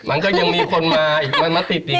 มันยังมีคนมามันมาติดอีกอ่ะ